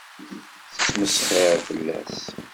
Tettmesxiṛ fell-as.